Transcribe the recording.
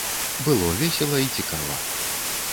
Было весела і цікава.